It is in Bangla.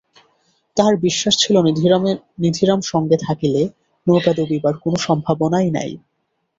তাঁহার বিশ্বাস ছিল নিধিরাম সঙ্গে থাকিলে নৌকা ডুবিবার কোনো সম্ভাবনাই নাই।